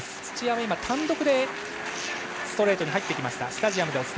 土屋は単独でストレートに入ってきました。